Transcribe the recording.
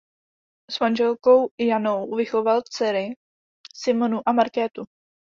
S manželkou Janou vychoval dcery Simonu a Markétu.